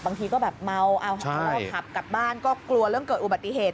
บางทีก็แบบเมาแล้วก็ขับกลับบ้านก็กลัวเรื่องเกิดอุบัติเหตุ